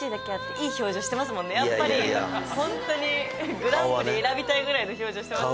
やっぱりホントにグランプリ選びたいぐらいの表情してます